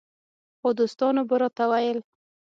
خو دوستانو به راته ویل